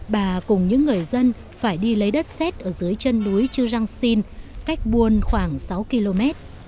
bà cùng những người dân phải đi lấy đất xét ở dưới chân núi chu rang sin cách buôn khoảng sáu km